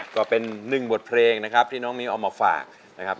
ก็เป็นหนึ่งบทเพลงนะครับที่น้องมิ้วเอามาฝากนะครับ